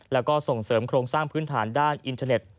แล้วก็ส่งเสริมโครงสร้างพื้นฐานด้านอินเทอร์เน็ต